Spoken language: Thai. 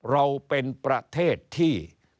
เราเป็นประเทศที่